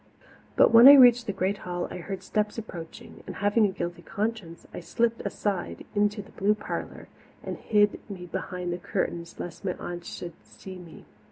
But when I reached the great hall I heard steps approaching and, having a guilty conscience, I slipped aside into the blue parlour and hid me behind the curtains lest my aunts should see me.